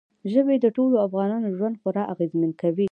ژبې د ټولو افغانانو ژوند خورا اغېزمن کوي.